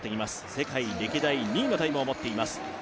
世界歴代２位のタイムを持っています。